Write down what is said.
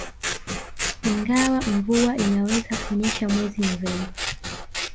Ingawa mvua inaweza kunyesha mwezi Novemba